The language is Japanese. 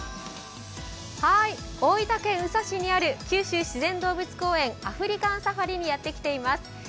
大分県宇佐市にある九州自然動物公園、アフリカンサファリにやってきています。